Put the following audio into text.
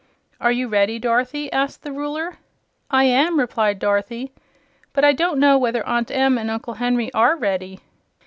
"Are you ready, Dorothy?" asked the Ruler. "I am," replied Dorothy; "but I don't know whether Aunt Em and Uncle Henry are ready."